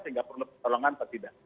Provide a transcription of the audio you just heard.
sehingga perlu pertolongan pesidang